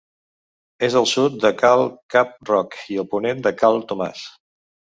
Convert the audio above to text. És al sud de Cal Cap-roc i a ponent de Cal Tomàs.